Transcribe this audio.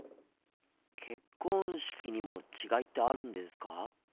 結婚式にも違いってあるんですか？